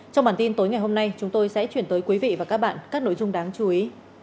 trong bản tin tối ngày hôm nay chúng tôi sẽ chuyển tới quý vị và các bạn các nội dung đáng chú ý